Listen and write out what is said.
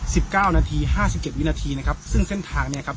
สิบเก้านาทีห้าสิบเจ็ดวินาทีนะครับซึ่งเส้นทางเนี้ยครับ